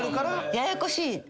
ややこしい。